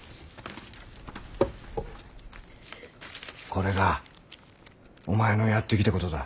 これがお前のやってきたことだ。